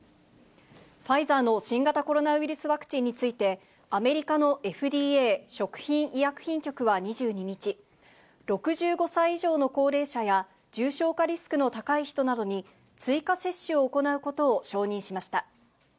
ファイザーの新型コロナウイルスワクチンについて、アメリカのＦＤＡ・食品医薬品局は２２日、６５歳以上の高齢者や重症化リスクの高い人などに、追加接種を行うことを承認しました。